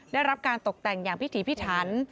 ได้รับการตกแต่งอย่างพิถีพิถัน